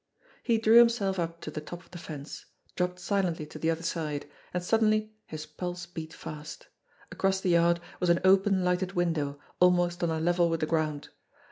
He drew himself up to the top of the fence, dropped si lently to the other side, and suddenly his pulse beat fast. Across the yard was an open, lighted window, almost on a level with the ground.